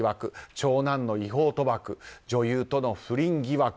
長男の違法賭博女優との不倫疑惑。